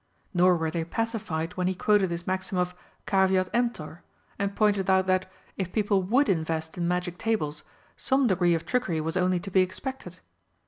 Nor were they pacified when he quoted his maxim of "Caveat emptor," and pointed out that, if people would invest in magic tables, some degree of trickery was only to be expected.